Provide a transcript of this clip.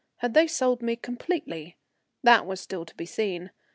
Had they sold me completely? That was still to be seen.